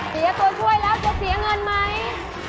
ตัวช่วยแล้วจะเสียเงินไหม